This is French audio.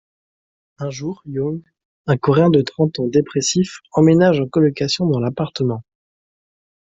Un jour, Jung, un coréen de trente ans dépressif emménage en colocation dans l'appartement.